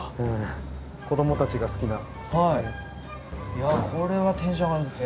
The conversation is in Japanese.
いやこれはテンション上がります。